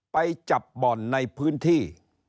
ไปจับบ่อนในพื้นที่